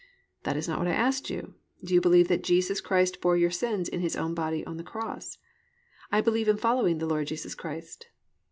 "That is not what I asked you. Do you believe that Jesus Christ bore your sins in His own body on the cross?" "I believe in following the Lord Jesus Christ."